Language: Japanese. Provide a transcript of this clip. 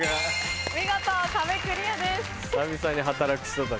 見事壁クリアです。